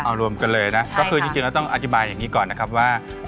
เอารวมกันเลยนะก็คือจริงแล้วต้องอธิบายอย่างนี้ก่อนนะครับว่า